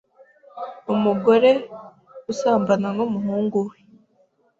Umugore usambana n’ umuhungu we